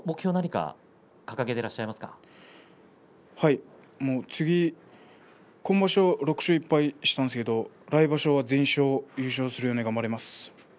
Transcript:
はい今場所、６勝１敗したんですが来場所は全勝優勝するように頑張ります。